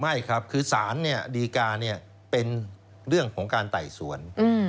ไม่ครับคือสารดีกาเป็นเรื่องของการไต่สวน